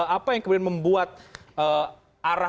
apa yang kemudian membuat arah perjalanan ketika anda menjadi anggota dewan